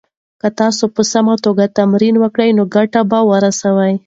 که تاسي په سمه توګه تمرین وکړئ نو ګټه به ورسوي.